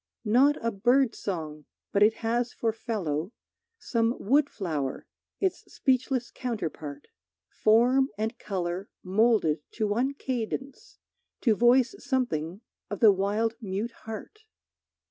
Not a bird song, but it has for fellow Some wood flower, its speechless counterpart, Form and color moulded to one cadence, To voice something of the wild mute heart.